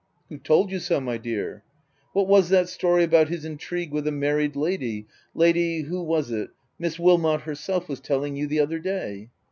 "Who told you so, my dear? What was that story about his intrigue with a married lady — Lady who was it — Miss Wilmot herself was telling you the other day